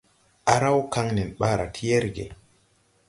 Á raw kaŋ nen ɓaara ti yɛrge.